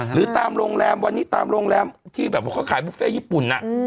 หรือตามโรงแรมวันนี้ตามโรงแรมที่แบบว่าเขาขายบุฟเฟ่ญี่ปุ่น